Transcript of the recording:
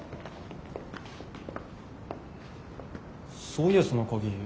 そういやその鍵